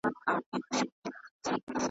چي کوچنى و نه ژاړي، مور تى نه ورکوي.